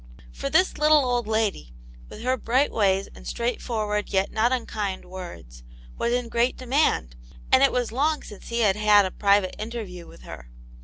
For this little old lady, with her bright ways and straightforward yet not unkind .words, was in great demand, and it was long since he had had a private interview with her.